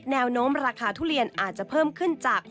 แนวโน้มราคาทุเรียนอาจจะเพิ่มขึ้นจาก